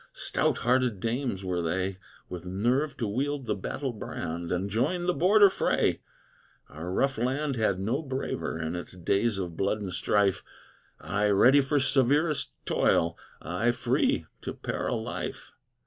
Stout hearted dames were they; With nerve to wield the battle brand, And join the border fray. Our rough land had no braver, In its days of blood and strife Aye ready for severest toil, Aye free to peril life.